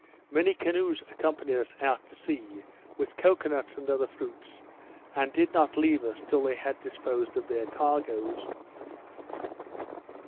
Many canoes accompanied us out to sea, with cocoa nuts and other fruits, and did not leave us till they had disposed of their cargoes.